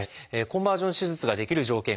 コンバージョン手術ができる条件